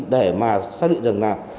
để mà xác định rằng là